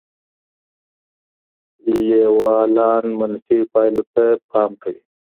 لیوالان منفي پایلو ته پام کوي.